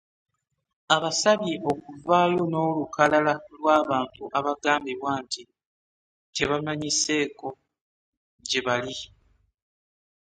Abasabye okuvaayo n'olukalala lw'abantu abagambibwa nti tebamanyiseeko gye bali.